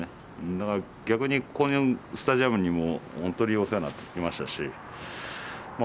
だから逆にこのスタジアムにも本当にお世話になってきましたしまあ